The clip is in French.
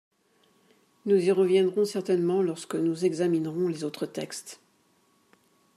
Nous y reviendrons certainement lorsque nous examinerons les autres textes.